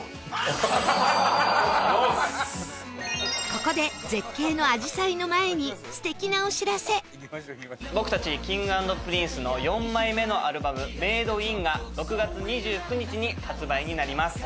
ここで絶景のあじさいの前に僕たち Ｋｉｎｇ＆Ｐｒｉｎｃｅ の４枚目のアルバム『Ｍａｄｅｉｎ』が６月２９日に発売になります。